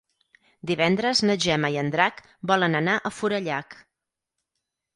Divendres na Gemma i en Drac volen anar a Forallac.